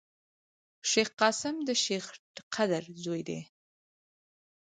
شېخ قاسم دشېخ قدر زوی دﺉ.